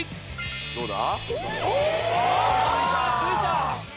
どうだ？